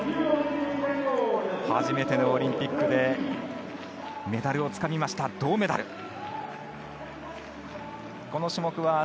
初めてのオリンピックでメダルをつかみました、銅メダル。